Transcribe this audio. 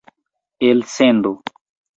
elsendo